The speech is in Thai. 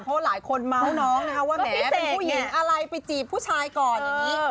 เพราะหลายคนมาพี่เสกเนี่ยอะไรไปจีบผู้ชายก่อนอย่างนี้